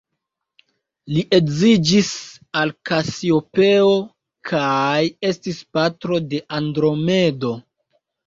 Li edziĝis al Kasiopeo, kaj estis patro de Andromedo.